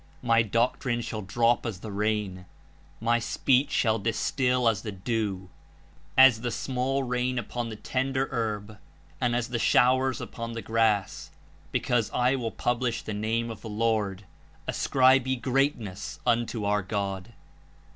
My Doctrine shall drop as the rain. My Speech shall distil as the dew, as the small rain upon the tender herb, and as the showers upon the grass: Because I will publish the Name of the Lord; Ascribe ye Greatness unto our God.